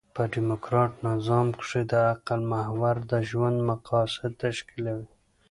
په ډيموکراټ نظام کښي د عقل محور د ژوند مقاصد تشکیلوي.